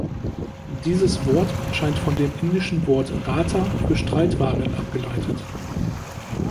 Dieses Wort scheint von dem indischen Wort "ratha" für Streitwagen abgeleitet.